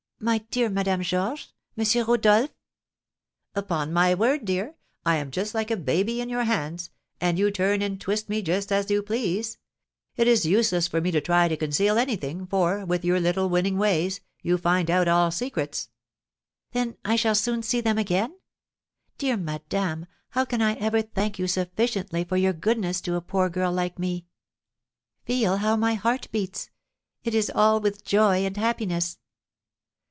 My dear Madame Georges? M. Rodolph?" "Upon my word, my dear, I am just like a baby in your hands, and you turn and twist me just as you please; it is useless for me to try to conceal anything, for, with your little winning ways, you find out all secrets." "Then I shall soon see them again? Dear madame, how can I ever thank you sufficiently for your goodness to a poor girl like me? Feel how my heart beats! It is all with joy and happiness!"